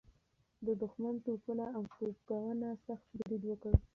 د دښمن توپونه او توپکونه سخت برید وکړ.